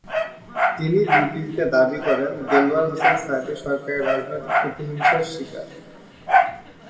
তিনি বিবৃতিতে দাবি করেন, দেলাওয়ার হোসাইন সাঈদী সরকারের রাজনৈতিক প্রতিহিংসার শিকার।